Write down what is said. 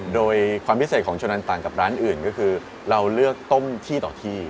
โดยความพิเศษของชนันต่างกับร้านอื่นก็คือเราเลือกต้มที่ต่อที่